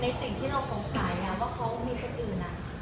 สิ่งที่เราสงสัยว่าเขามีคนอื่น